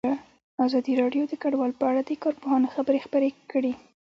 ازادي راډیو د کډوال په اړه د کارپوهانو خبرې خپرې کړي.